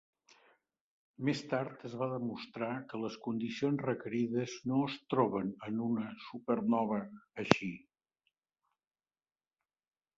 Més tard es va demostrar que les condicions requerides no es troben en una supernova així.